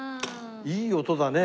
いい音だね。